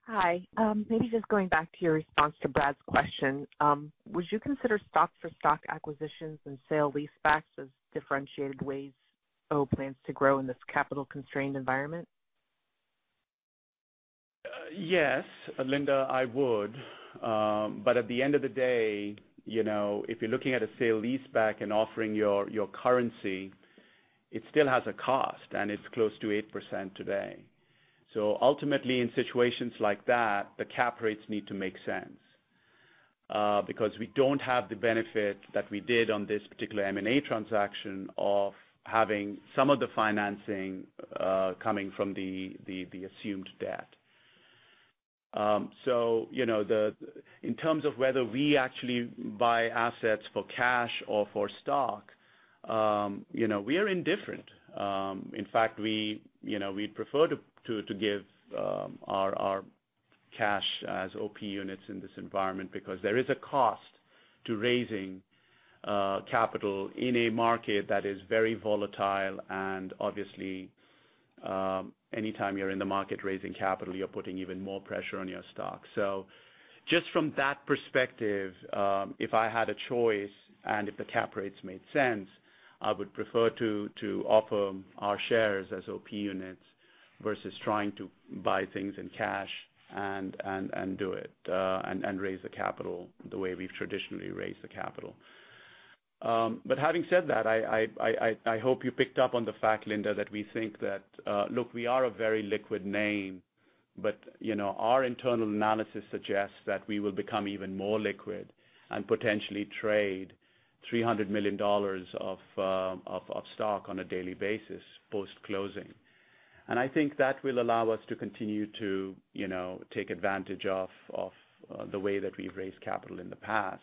Hi, maybe just going back to your response to Brad's question. Would you consider stock-for-stock acquisitions and sale-leasebacks as differentiated ways O plans to grow in this capital-constrained environment? Yes, Linda, I would. But at the end of the day, you know, if you're looking at a sale-leaseback and offering your currency, it still has a cost, and it's close to 8% today. Ultimately, in situations like that, the cap rates need to make sense, because we don't have the benefit that we did on this particular M&A transaction of having some of the financing coming from the assumed debt. You know, in terms of whether we actually buy assets for cash or for stock, you know, we are indifferent. In fact, we, you know, we'd prefer to give our cash as OP units in this environment, because there is a cost to raising capital in a market that is very volatile. And obviously, anytime you're in the market raising capital, you're putting even more pressure on your stock. So just from that perspective, if I had a choice and if the cap rates made sense, I would prefer to offer our shares as OP units versus trying to buy things in cash and do it and raise the capital the way we've traditionally raised the capital. But having said that, I hope you picked up on the fact, Linda, that we think that... Look, we are a very liquid name, but, you know, our internal analysis suggests that we will become even more liquid and potentially trade $300 million of stock on a daily basis post-closing. And I think that will allow us to continue to, you know, take advantage of the way that we've raised capital in the past,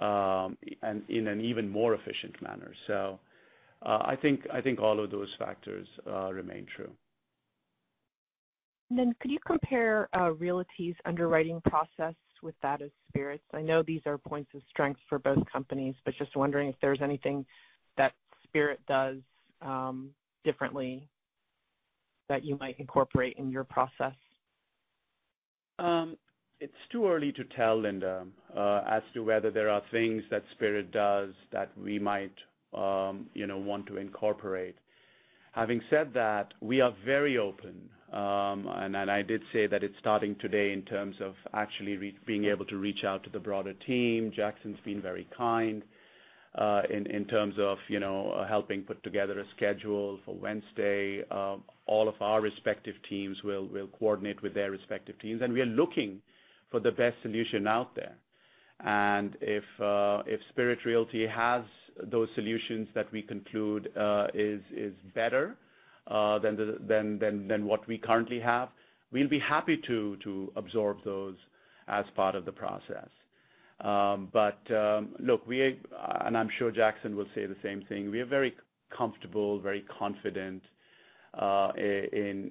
and in an even more efficient manner. So, I think, I think all of those factors remain true. And then could you compare, Realty's underwriting process with that of Spirit's? I know these are points of strength for both companies, but just wondering if there's anything that Spirit does, differently that you might incorporate in your process. It's too early to tell, Linda, as to whether there are things that Spirit does that we might, you know, want to incorporate. Having said that, we are very open, and I did say that it's starting today in terms of actually being able to reach out to the broader team. Jackson's been very kind, in terms of, you know, helping put together a schedule for Wednesday. All of our respective teams will coordinate with their respective teams, and we are looking for the best solution out there. If Spirit Realty has those solutions that we conclude is better than what we currently have, we'll be happy to absorb those as part of the process. But, look, we are -- and I'm sure Jackson will say the same thing, we are very comfortable, very confident, in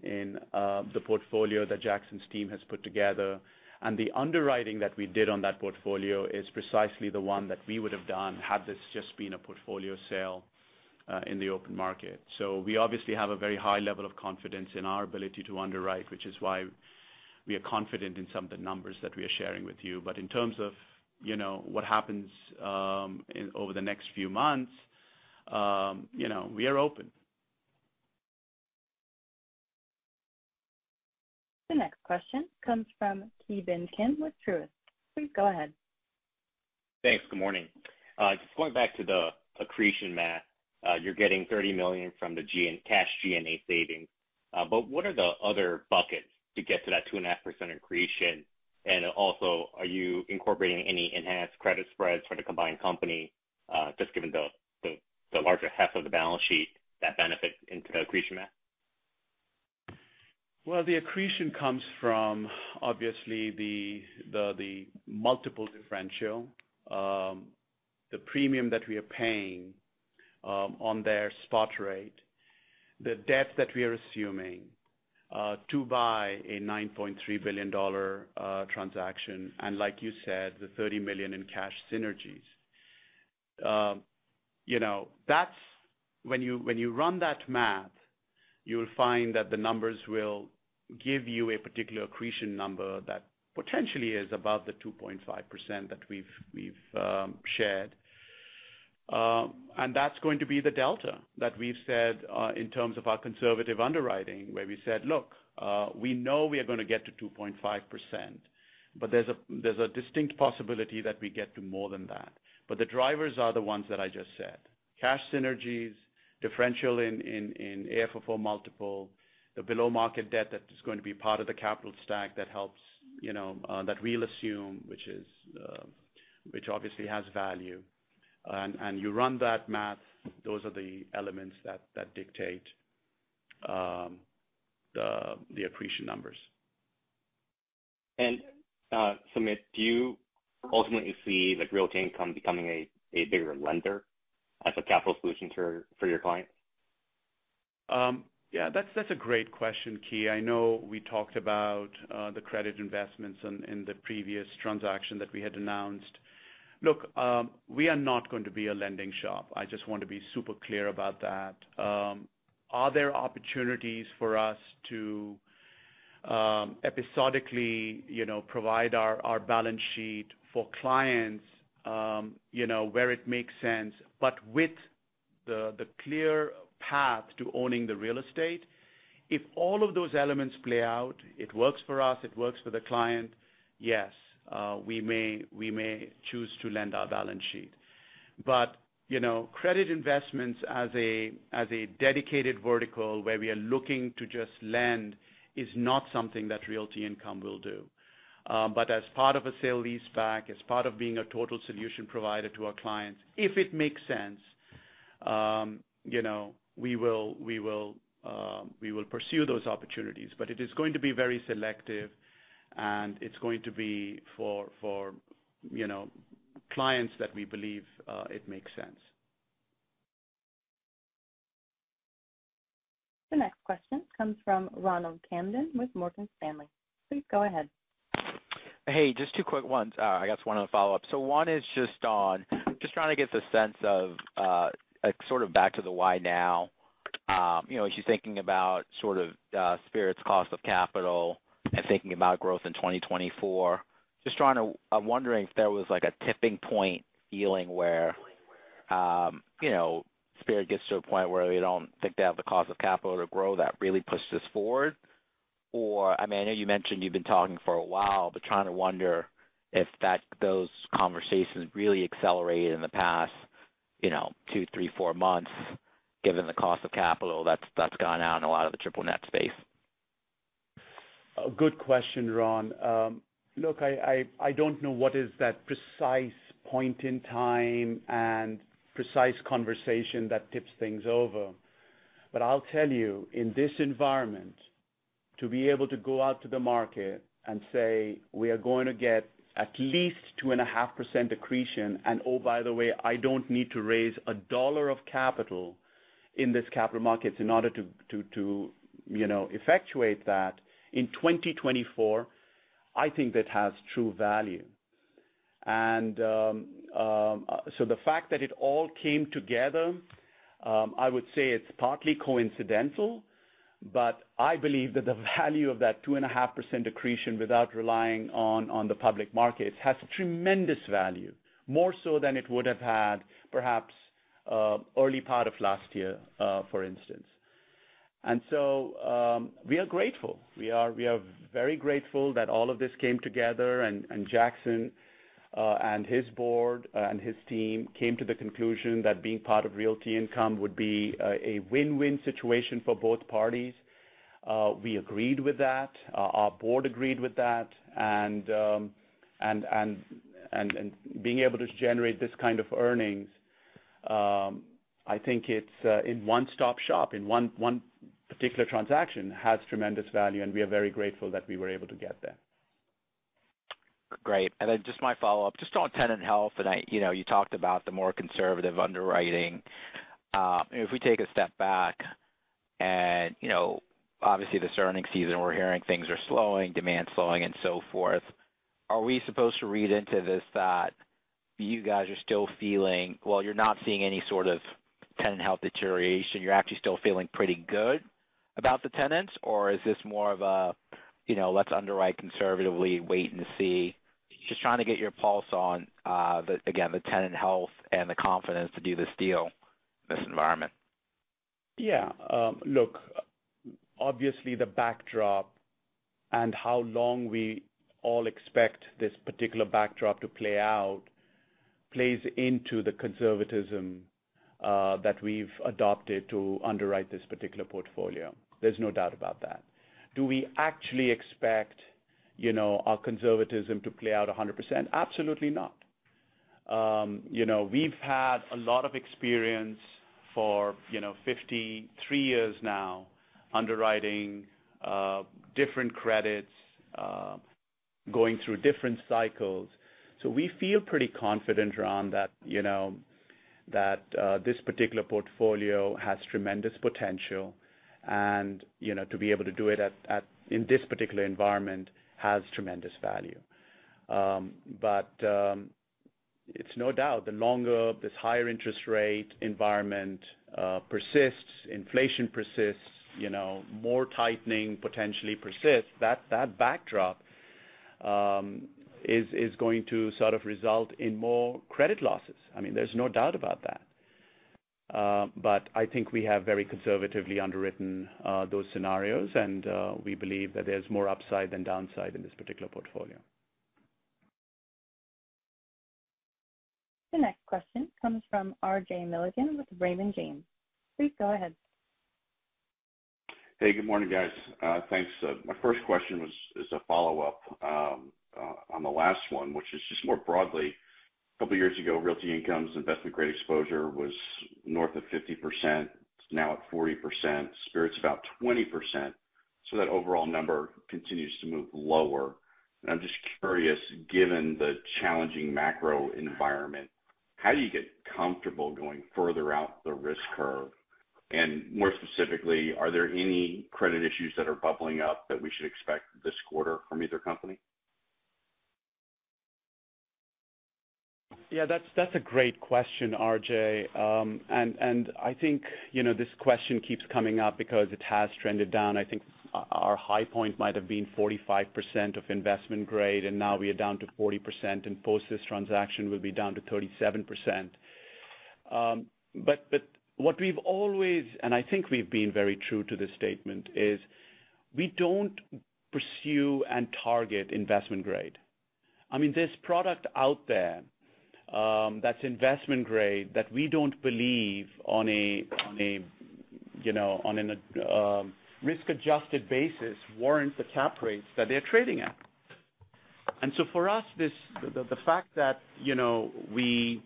the portfolio that Jackson's team has put together. And the underwriting that we did on that portfolio is precisely the one that we would have done, had this just been a portfolio sale, in the open market. So we obviously have a very high level of confidence in our ability to underwrite, which is why we are confident in some of the numbers that we are sharing with you. But in terms of, you know, what happens, in over the next few months, you know, we are open. The next question comes from Ki Bin Kim with Truist. Please go ahead. Thanks. Good morning. Just going back to the accretion math. You're getting $30 million from the G&A and cash G&A savings, but what are the other buckets to get to that 2.5% accretion? And also, are you incorporating any enhanced credit spreads for the combined company, just given the, the, the larger half of the balance sheet that benefits into the accretion math? Well, the accretion comes from, obviously, the multiple differential, the premium that we are paying, on their spot rate, the debt that we are assuming, to buy a $9.3 billion transaction, and like you said, the $30 million in cash synergies. You know, that's when you, when you run that math, you'll find that the numbers will give you a particular accretion number that potentially is above the 2.5% that we've shared. And that's going to be the delta that we've said, in terms of our conservative underwriting, where we said, "Look, we know we are going to get to 2.5%, but there's a distinct possibility that we get to more than that." But the drivers are the ones that I just said. Cash synergies, differential in AFFO multiple, the below-market debt that is going to be part of the capital stack that helps, you know, that we'll assume, which is, which obviously has value. And you run that math, those are the elements that dictate the accretion numbers. Sumit, do you ultimately see, like, Realty Income becoming a bigger lender as a capital solution for your clients? Yeah, that's, that's a great question, Ki. I know we talked about the credit investments in the previous transaction that we had announced. Look, we are not going to be a lending shop. I just want to be super clear about that. Are there opportunities for us to episodically, you know, provide our balance sheet for clients, you know, where it makes sense, but with the clear path to owning the real estate? If all of those elements play out, it works for us, it works for the client, yes, we may choose to lend our balance sheet. But, you know, credit investments as a dedicated vertical where we are looking to just lend is not something that Realty Income will do. But as part of a sale-leaseback, as part of being a total solution provider to our clients, if it makes sense, you know, we will pursue those opportunities. But it is going to be very selective, and it's going to be for, you know, clients that we believe it makes sense. The next question comes from Ronald Kamdem with Morgan Stanley. Please go ahead. Hey, just two quick ones. I guess one of the follow-ups. So one is just on, just trying to get the sense of, like, sort of back to the why now. You know, if you're thinking about sort of, Spirit's cost of capital and thinking about growth in 2024, just trying to—I'm wondering if there was, like, a tipping point feeling where, you know, Spirit gets to a point where they don't think they have the cost of capital to grow, that really pushes this forward? Or, I mean, I know you mentioned you've been talking for a while, but trying to wonder if that—those conversations really accelerated in the past, you know, two, three, four months, given the cost of capital that's, that's gone out in a lot of the triple net space. A good question, Ron. Look, I don't know what is that precise point in time and precise conversation that tips things over. But I'll tell you, in this environment, to be able to go out to the market and say, we are going to get at least 2.5% accretion, and oh, by the way, I don't need to raise a dollar of capital in this capital markets in order to, you know, effectuate that in 2024, I think that has true value. So the fact that it all came together, I would say it's partly coincidental, but I believe that the value of that 2.5% accretion without relying on the public markets has tremendous value, more so than it would have had, perhaps, early part of last year, for instance. And so, we are grateful. We are, we are very grateful that all of this came together, and Jackson and his board and his team came to the conclusion that being part of Realty Income would be a win-win situation for both parties. We agreed with that, our board agreed with that, and being able to generate this kind of earnings, I think it's in one-stop shop in one particular transaction, has tremendous value, and we are very grateful that we were able to get there. Great. Just my follow-up, just on tenant health, and I... You know, you talked about the more conservative underwriting. If we take a step back and, you know, obviously, this earnings season, we're hearing things are slowing, demand slowing, and so forth. Are we supposed to read into this that you guys are still feeling... Well, you're not seeing any sort of tenant health deterioration, you're actually still feeling pretty good about the tenants, or is this more of a, you know, let's underwrite conservatively, wait and see? Just trying to get your pulse on, the, again, the tenant health and the confidence to do this deal in this environment. Yeah. Look, obviously, the backdrop and how long we all expect this particular backdrop to play out plays into the conservatism that we've adopted to underwrite this particular portfolio. There's no doubt about that. Do we actually expect, you know, our conservatism to play out 100%? Absolutely not. You know, we've had a lot of experience for, you know, 53 years now, underwriting different credits, going through different cycles. So we feel pretty confident, Ron, that, you know, this particular portfolio has tremendous potential, and, you know, to be able to do it at, at, in this particular environment has tremendous value. It's no doubt the longer this higher interest rate environment persists, inflation persists, you know, more tightening potentially persists, that, that backdrop is going to sort of result in more credit losses. I mean, there's no doubt about that. But I think we have very conservatively underwritten those scenarios, and we believe that there's more upside than downside in this particular portfolio. The next question comes from RJ Milligan with Raymond James. Please go ahead. Hey, good morning, guys. Thanks. My first question was, is a follow-up on the last one, which is just more broadly. A couple years ago, Realty Income's investment-grade exposure was north of 50%, it's now at 40%, Spirit's about 20%, so that overall number continues to move lower. And I'm just curious, given the challenging macro environment, how do you get comfortable going further out the risk curve? And more specifically, are there any credit issues that are bubbling up that we should expect this quarter from either company? Yeah, that's a great question, RJ. I think, you know, this question keeps coming up because it has trended down. I think our high point might have been 45% of investment grade, and now we are down to 40%, and post this transaction, we'll be down to 37%. What we've always, and I think we've been very true to this statement, is we don't pursue and target investment grade. I mean, there's product out there that's investment grade that we don't believe on a, you know, on a risk-adjusted basis warrants the cap rates that they're trading at. For us, the fact that, you know, we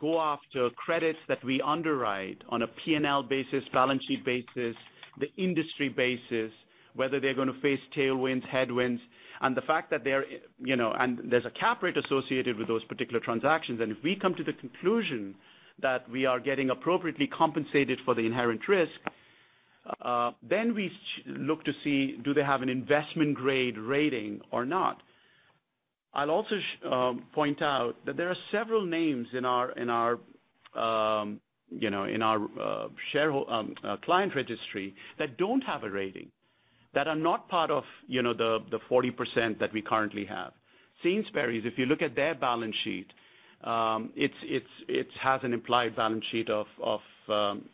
go after credits that we underwrite on a P&L basis, balance sheet basis, the industry basis, whether they're going to face tailwinds, headwinds, and the fact that they're, you know, and there's a cap rate associated with those particular transactions, and if we come to the conclusion that we are getting appropriately compensated for the inherent risk, we look to see, do they have an investment-grade rating or not? I'll also point out that there are several names in our, you know, in our client registry that don't have a rating, that are not part of, you know, the 40% that we currently have. Sainsbury's, if you look at their balance sheet, it's, it has an implied balance sheet of,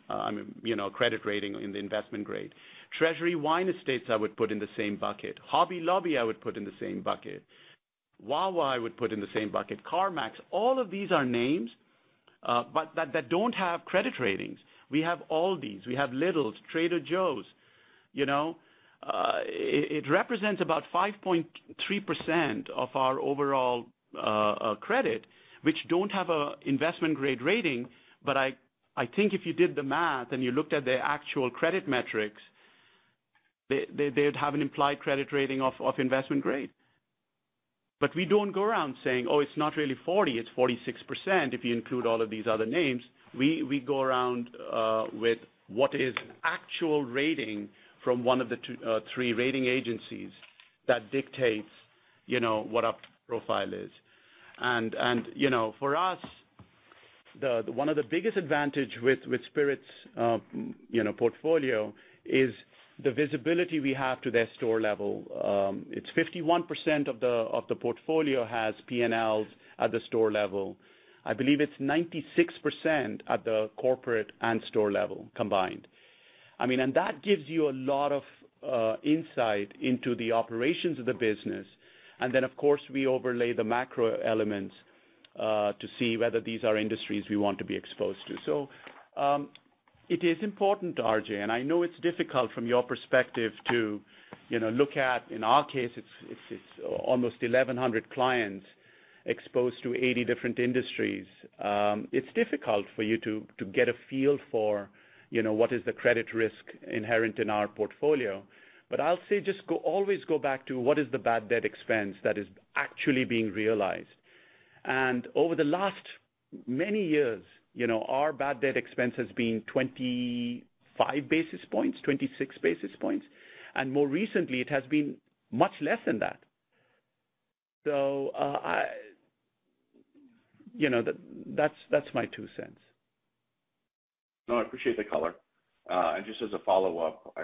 I mean, you know, credit rating in the investment grade. Treasury Wine Estates, I would put in the same bucket. Hobby Lobby, I would put in the same bucket. Wawa, I would put in the same bucket. CarMax. All of these are names, but that don't have credit ratings. We have Aldi's, we have Lidl's, Trader Joe's, you know? It represents about 5.3% of our overall credit, which don't have a investment-grade rating. But I think if you did the math and you looked at the actual credit metrics, they, they'd have an implied credit rating of investment grade. We don't go around saying, "Oh, it's not really 40%, it's 46% if you include all of these other names." We go around with what is an actual rating from one of the two, three rating agencies that dictates, you know, what our profile is. You know, for us, one of the biggest advantages with Spirit's portfolio is the visibility we have to their store level. It's 51% of the portfolio has P&Ls at the store level. I believe it's 96% at the corporate and store level combined. I mean, that gives you a lot of insight into the operations of the business. Of course, we overlay the macro elements to see whether these are industries we want to be exposed to. So, it is important, RJ, and I know it's difficult from your perspective to, you know, look at, in our case, it's almost 1,100 clients exposed to 80 different industries. It's difficult for you to get a feel for, you know, what is the credit risk inherent in our portfolio. But I'll say just go, always go back to what is the bad debt expense that is actually being realized. And over the last many years, you know, our bad debt expense has been 25 basis points, 26 basis points, and more recently, it has been much less than that. So, you know, that's my two cents. No, I appreciate the color. And just as a follow-up,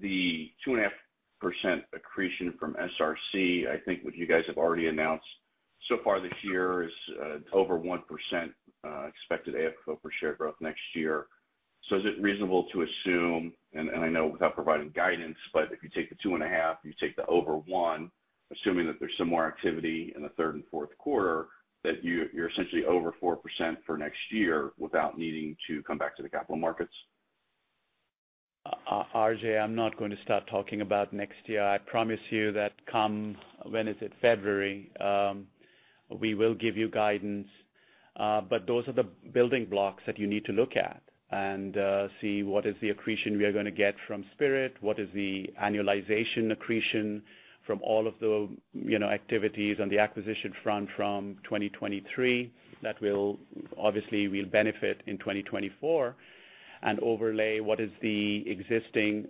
the 2.5% accretion from SRC, I think what you guys have already announced so far this year is, over 1%, expected AFFO per share growth next year. So is it reasonable to assume, and I know without providing guidance, but if you take the 2.5, you take the over one, assuming that there's some more activity in the third and fourth quarter, that you're essentially over 4% for next year without needing to come back to the capital markets? RJ, I'm not going to start talking about next year. I promise you that come, when is it? February. We will give you guidance, but those are the building blocks that you need to look at and see what is the accretion we are going to get from Spirit, what is the annualization accretion from all of the, you know, activities on the acquisition front from 2023. That will obviously, we'll benefit in 2024, and overlay what is the existing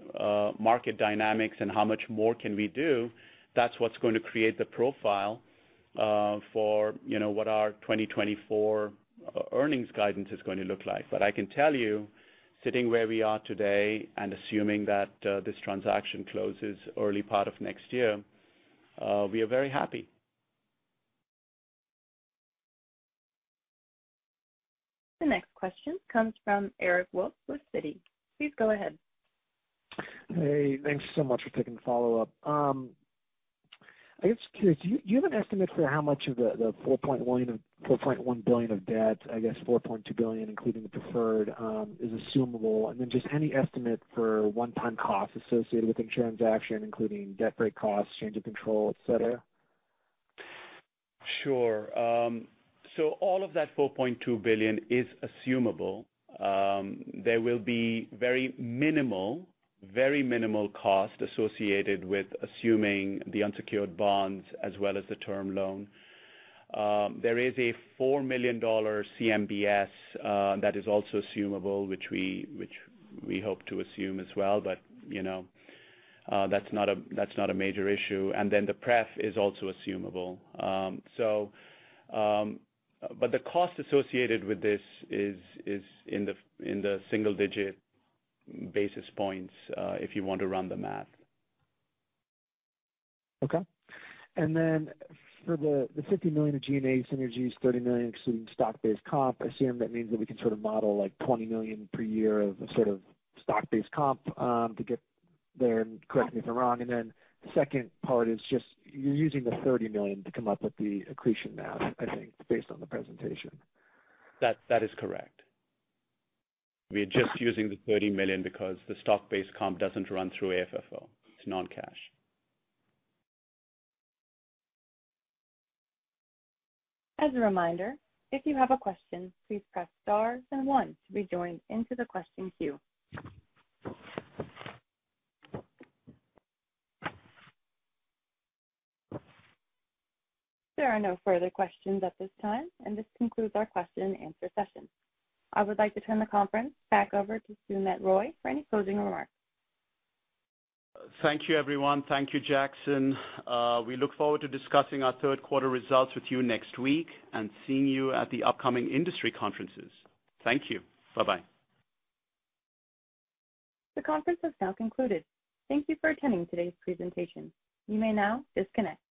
market dynamics and how much more can we do, that's what's going to create the profile for, you know, what our 2024 earnings guidance is going to look like. But I can tell you, sitting where we are today and assuming that this transaction closes early part of next year, we are very happy. The next question comes from Eric Wolfe with Citi. Please go ahead. Hey, thanks so much for taking the follow-up. I guess, curious, do you, do you have an estimate for how much of the $4.1 billion of debt, I guess $4.2 billion, including the preferred, is assumable? And then just any estimate for one-time costs associated with the transaction, including debt break costs, change of control, et cetera. Sure. So all of that $4.2 billion is assumable. There will be very minimal, very minimal costs associated with assuming the unsecured bonds as well as the term loan. There is a $4 million CMBS that is also assumable, which we, which we hope to assume as well. But, you know, that's not a, that's not a major issue. And then the pref is also assumable. So, but the cost associated with this is, is in the single-digit basis points, if you want to run the math. Okay. And then for the $50 million of G&A synergies, $30 million excluding stock-based comp, I assume that means that we can sort of model like $20 million per year of sort of stock-based comp to get there, and correct me if I'm wrong. And then the second part is just you're using the $30 million to come up with the accretion now, I think, based on the presentation. That, that is correct. We are just using the $30 million because the stock-based comp doesn't run through AFFO. It's non-cash. As a reminder, if you have a question, please press Star and One to be joined into the question queue. There are no further questions at this time, and this concludes our question and answer session. I would like to turn the conference back over to Sumit Roy for any closing remarks. Thank you, everyone. Thank you, Jackson. We look forward to discussing our third quarter results with you next week and seeing you at the upcoming industry conferences. Thank you. Bye-bye. The conference has now concluded. Thank you for attending today's presentation. You may now disconnect.